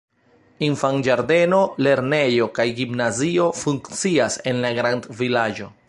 Infanĝardeno, lernejo kaj gimnazio funkcias en la grandvilaĝo.